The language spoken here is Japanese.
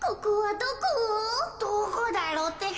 どこだろうってか。